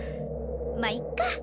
まあいっか！